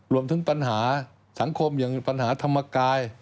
รวมถึงปัญหาสังคมอย่างปัญหาธรรมกาย